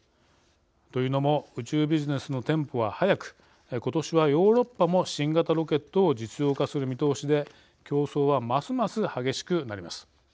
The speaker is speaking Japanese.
というのも宇宙ビジネスのテンポは速く今年はヨーロッパも新型ロケットを実用化する見通しで競争は、ますます激しくなります。